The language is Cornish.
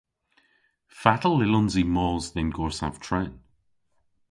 Fatel yllons i mos dhe'n gorsav tren?